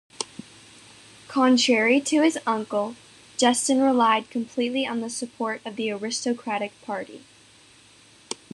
Contrary to his uncle, Justin relied completely on the support of the aristocratic party.